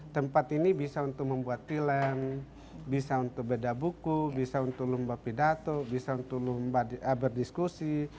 tempat ini bisa untuk membuat film bisa untuk beda buku bisa untuk lomba pidato bisa untuk berdiskusi